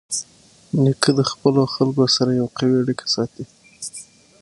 نیکه د خپلو خلکو سره یوه قوي اړیکه ساتي.